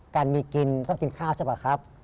การมีกินต้องกินข้าวใช่ป่ะครับ